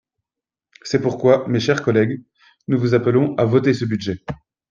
C’est pourquoi, mes chers collègues, nous vous appelons à voter ce budget.